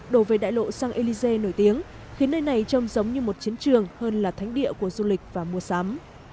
đổ về đại lộ saint élysée nổi tiếng khiến nơi này trông giống như một chiến trường hơn là thánh địa của du lịch và mùa sắm